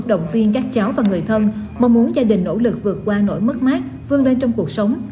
động viên các cháu và người thân mong muốn gia đình nỗ lực vượt qua nỗi mất mát vươn lên trong cuộc sống